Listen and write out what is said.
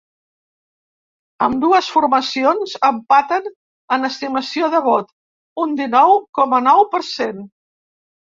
Ambdues formacions empaten en estimació de vot; un dinou coma nou per cent.